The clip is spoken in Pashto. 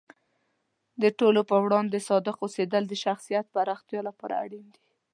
د ټولو په وړاندې صادق اوسیدل د شخصیت پراختیا لپاره اړین دی.